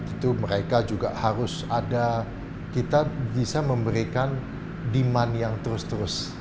itu mereka juga harus ada kita bisa memberikan demand yang terus terus